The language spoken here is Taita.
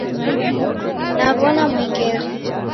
Naw'ona mwengere